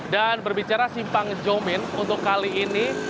dan berbicara simpang jomin untuk kali ini